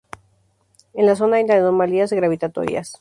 En la zona hay anomalías gravitatorias.